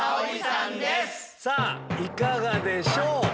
いかがでしょう？